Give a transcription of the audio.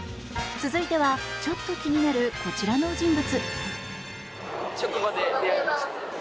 続いてはちょっと気になるこちらの人物。